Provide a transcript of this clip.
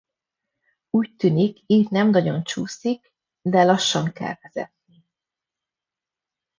Úgy tűnik, itt nem nagyon csúszik, de lassan kell vezetni.